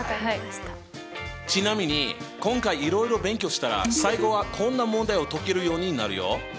ちなみに今回いろいろ勉強したら最後はこんな問題を解けるようになるよ！